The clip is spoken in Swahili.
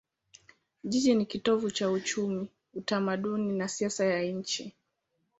Jiji ni kitovu cha uchumi, utamaduni na siasa ya nchi.